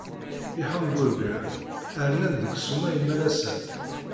Ihamburgren rnan deg ssuma imalas-a.